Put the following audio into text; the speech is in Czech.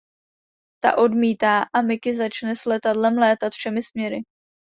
Ta odmítá a Mickey začne s letadlem létat všemi směry.